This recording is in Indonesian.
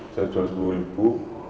saya jual sepuluh ribu